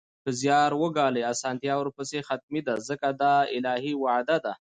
که زیار وګالئ، اسانتیا ورپسې حتمي ده ځکه دا الهي وعده ده